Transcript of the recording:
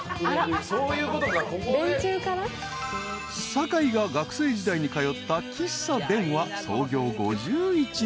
［坂井が学生時代に通った喫茶デンは創業５１年］